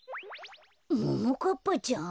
ももかっぱちゃん？